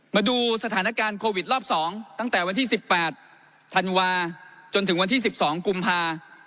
มาดูสถานการณ์โควิดรอบ๒ตั้งแต่วันที่๑๘ธันวาจนถึงวันที่๑๒กุมภา